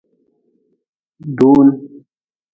Dun.